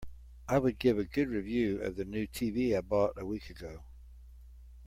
I would give a good review of the new TV I bought a week ago.